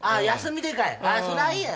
休みでかい。